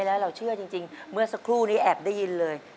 แล้วเราเชื่อจริงเมื่อสักครู่นี้แอบได้ยินเลย